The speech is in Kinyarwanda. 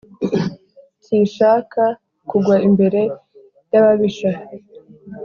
nsishaka kugwa imbere y’ababisha